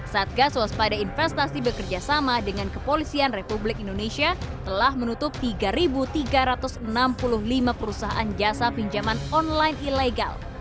satgas waspada investasi bekerjasama dengan kepolisian republik indonesia telah menutup tiga tiga ratus enam puluh lima perusahaan jasa pinjaman online ilegal